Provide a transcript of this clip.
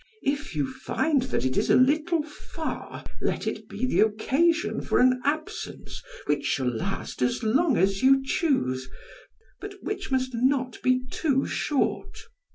If you find that it is a little far, let it be the occasion of an absence which shall last as long as you choose, but which must not be too short.